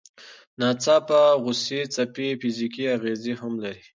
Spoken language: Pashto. د ناڅاپه غوسې څپې فزیکي اغېزې هم لري.